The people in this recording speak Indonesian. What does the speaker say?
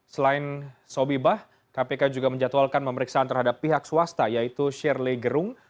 selain sobibah kpk juga menjatuhkan pemeriksaan terhadap pihak swasta yaitu shirley gerung